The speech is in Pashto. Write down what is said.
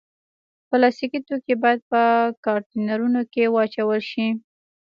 پلاستيکي توکي باید په کانټینرونو کې واچول شي.